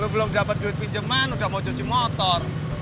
lu belum dapet duit pinjeman udah mau cuci motor